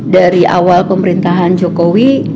dari awal pemerintahan jokowi